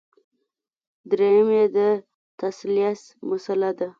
درېیم یې د تثلیث مسله ده.